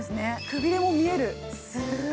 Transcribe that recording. くびれも見える。